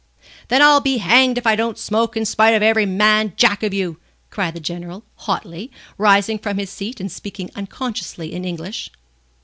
"Then I'll be hanged if I don't smoke in spite of every man jack of you!" cried the General, hotly, rising from his seat and speaking unconsciously in English.